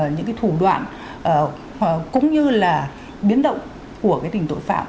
những cái thủ đoạn cũng như là biến động của cái tỉnh tội phạm